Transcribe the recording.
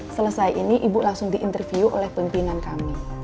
selesai ini ibu langsung diinterview oleh pimpinan kami